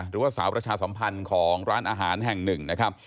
หรือว่าสาวประชาสัมพันธ์ของร้านอาหารแห่งหนึ่งนะครับ